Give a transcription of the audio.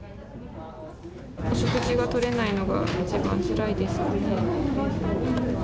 お食事がとれないのがいちばんつらいですかね。